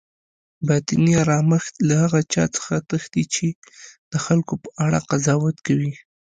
باطني آرامښت له هغه چا څخه تښتي چی د خلکو په اړه قضاوت کوي